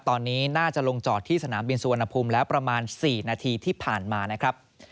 ตอนนี้น่าจะลงจอดที่สนามบินสุวรรณภูมิแล้วประมาณ๔นาทีที่ผ่านมานะครับ